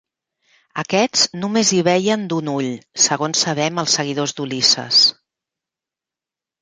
Aquests només hi veien d'un ull, segons sabem els seguidors d'Ulisses.